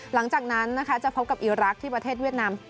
หลังจากนั้นนะคะจะพบกับอีรักษ์ที่ประเทศเวียดนาม